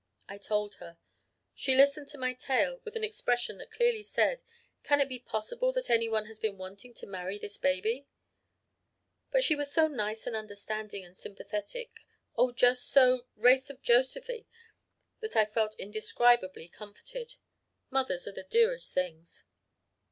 I told her. She listened to my tale with an expression that clearly said, 'Can it be possible that anyone has been wanting to marry this baby?' But she was so nice and understanding and sympathetic, oh, just so race of Josephy that I felt indescribably comforted. Mothers are the dearest things.